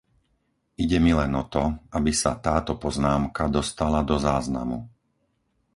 Ide mi len o to, aby sa táto poznámka dostala do záznamu.